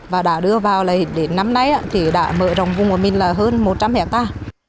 và đã đưa vào lấy đến năm nay thì đã mở rộng vùng của mình là hơn một trăm linh hectare